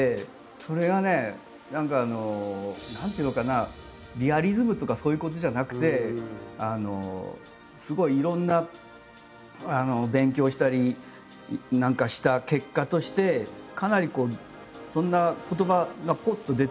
それがね何か何ていうのかなリアリズムとかそういうことじゃなくてすごいいろんな勉強をしたり何かした結果としてかなりそんな言葉がぽっと出てくる。